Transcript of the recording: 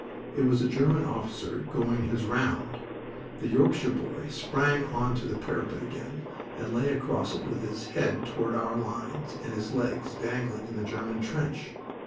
It was a German officer going his round. The Yorkshire boy sprang on to the parapet again, and lay across it with his head toward our lines and his legs dangling in the German trench.